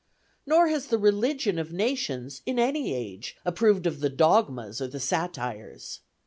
Nor has the religion of nations, in any age, approved of the dogmas or the satires.